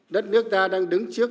đất nước ta đang đứng trước